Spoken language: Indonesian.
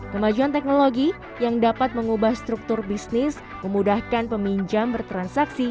kemajuan teknologi yang dapat mengubah struktur bisnis memudahkan peminjam bertransaksi